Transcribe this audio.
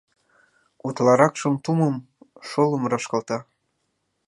Утларакшым тумым, шолым рашкалта».